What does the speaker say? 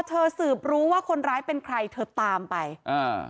สืบรู้ว่าคนร้ายเป็นใครเธอตามไปอ่า